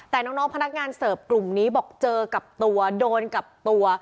แต่น้องพนักงานเสิร์ฟกลุ่มนี้บอกเจอกับตัวโดนกับตัว